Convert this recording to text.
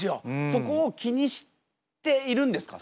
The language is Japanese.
そこを気にしているんですか？